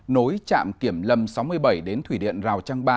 nối chạm kiểm lầm sáu mươi bảy đến thủy điện rào trang ba